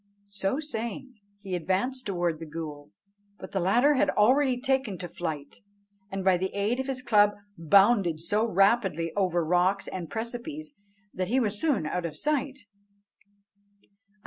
So saying, he advanced towards the ghool; but the latter had already taken to flight, and by the aid of his club bounded so rapidly over rocks and precipices that he was soon out of sight.